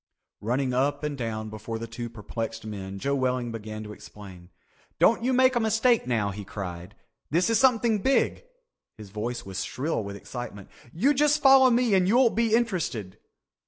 Running up and down before the two perplexed men, Joe Welling began to explain. "Don't you make a mistake now," he cried. "This is something big." His voice was shrill with excitement. "You just follow me, you'll be interested.